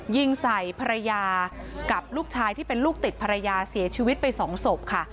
ยิงใส่ภรรยากับลูกชายที่เป็นลูกติดภรรยาเสียชีวิตไปสองศพค่ะ